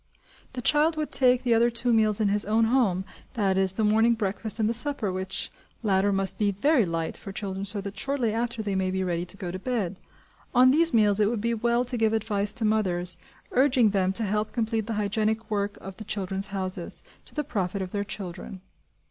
The child would take the other two meals in his own home, that is, the morning breakfast and the supper, which latter must be very light for children so that shortly after they may be ready to go to bed. On these meals it would be well to give advice to mothers, urging them to help complete the hygienic work of the "Children's Houses," to the profit of their children.